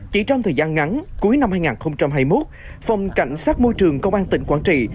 chỉ trong thời gian ngắn cuối năm hai nghìn hai mươi một phòng cảnh sát môi trường công an tỉnh quảng trị